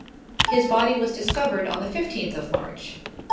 His body was discovered on the fifteenth of March.